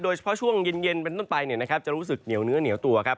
โดยเฉพาะช่วงเย็นเป็นต้นไปจะรู้สึกเหนียวตัวครับ